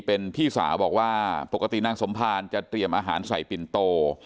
เป็นพี่สาวบอกว่าปกตินางสมภารจะเตรียมอาหารใส่ปิ่นโต